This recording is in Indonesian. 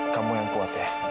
kamu yang kuat ya